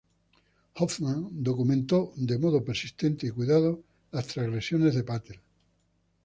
Hoffman documentó de modo persistente y cuidado las transgresiones de Patel.